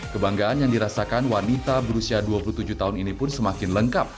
kebanggaan yang dirasakan wanita berusia dua puluh tujuh tahun ini pun semakin lengkap